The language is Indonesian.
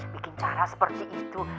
bikin cara seperti itu